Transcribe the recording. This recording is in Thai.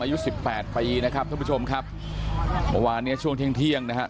อายุสิบแปดปีนะครับท่านผู้ชมครับเมื่อวานเนี้ยช่วงเที่ยงเที่ยงนะฮะ